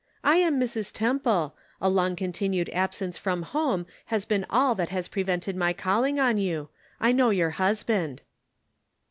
"I am Mrs. Temple; a long continued absence from home has been all that has prevented my calling on you ; I know your husband."